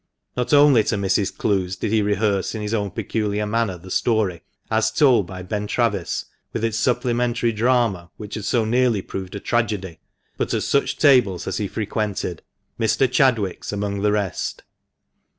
Not only to Mrs. Clowes did he rehearse in his own peculiar manner the story, as told by Ben Travis, with its supplementary drama which had so nearly proved a tragedy, but at such tables as he frequented — Mr. Chadwick's among the rest.